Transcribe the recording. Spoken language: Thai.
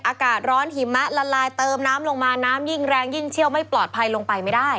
อากาศร้อนหิมะละลายเติมน้ำลงมาน้ำยิ่งแรงยิ่งเชี่ยวไม่ปลอดภัยลงไปไม่ได้